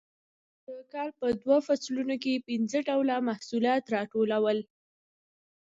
د کال په دوو فصلونو کې پنځه ډوله محصولات راټولول